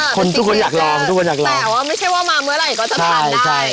คนทุกคนอยากลองทุกคนอยากลองแต่ว่าไม่ใช่ว่ามาเมื่อไหร่ก็จะทานได้